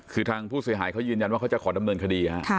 คือทางผู้เสียหายเขายืนยันว่าเขาจะขอดำเนินคดีฮะ